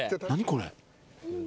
これ。